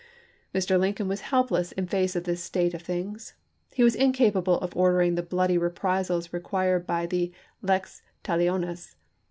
Mr. Lincoln was helpless in face of this state of things. He was incapable of ordering the bloody reprisals required by the lex talionis.